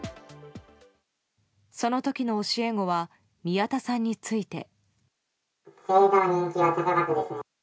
その時の教え子は宮田さんについて。